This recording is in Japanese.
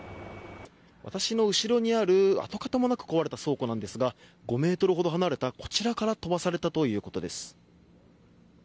私の後ろにある跡形もなく壊れた倉庫ですが５ｍほど離れたこちらから飛ばされたということです。